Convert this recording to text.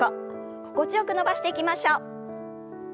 心地よく伸ばしていきましょう。